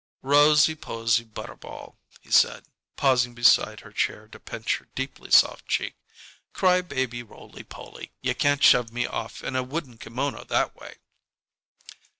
"Rosie posy butter ball," he said, pausing beside her chair to pinch her deeply soft cheek. "Cry baby roly poly, you can't shove me off in a wooden kimono that way."